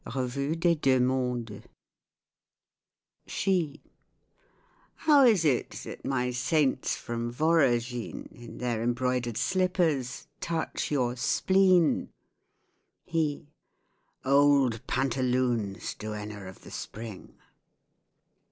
Revue des Deux Mondes She How is it that my saints from Voragine, In their embroidered slippers, touch your spleen? He Old pantaloons, duenna of the spring!